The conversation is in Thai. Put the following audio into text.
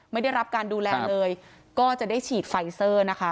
ไม่ได้รับการดูแลเลยก็จะได้ฉีดไฟเซอร์นะคะ